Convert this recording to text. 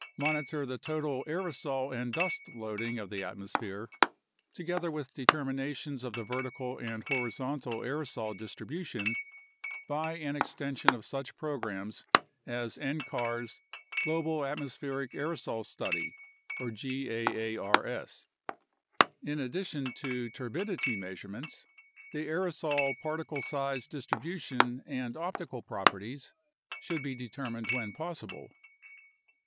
Monitor the total aerosol and dust loading of the atmosphere, to gether with determinations of the vertical and horizontal aerosol distri bution, by an extension of such programs as ncar's Global Atmospheric Aerosol Study (gaars). In addition to turbidity measurements, the aerosol particle size distribution and optical properties should be de termined when possible.